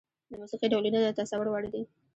د موسيقي ډولونه د تصور وړ دي.